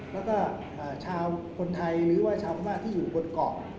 แล้วก็ชาวคนไทยหรือว่าชาวพม่าที่อยู่บนเกาะ